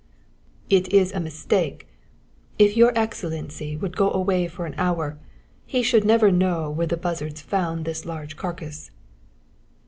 "It is a mistake. If your Excellency would go away for an hour he should never know where the buzzards found this large carcass."